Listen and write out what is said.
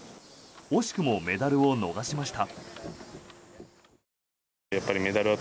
惜しくもメダルを逃しました。